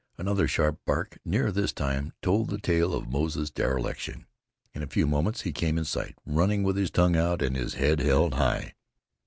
Another sharp bark, nearer this time, told the tale of Moze's dereliction. In a few moments he came in sight, running with his tongue out and his head high.